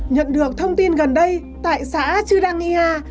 nhận được thông tin gần đây tại xã chirangia